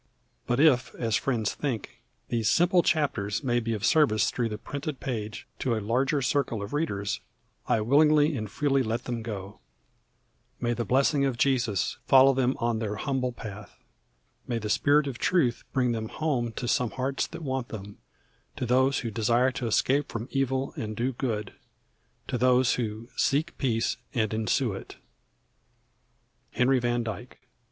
But if, as friends think, these simple chapters may be of service through the printed page to a larger circle of readers, I willingly and freely let them go. May the blessing of Jesus follow them on their humble path. May the Spirit of Truth bring them home to some hearts that want them, to those who desire to escape from evil and do good, to those who "seek peace and ensue it." HENRY VAN DYKE.